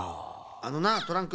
あのなトランク。